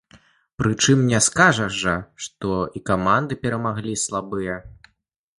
Прычым не скажаш жа, што і каманды перамаглі слабыя.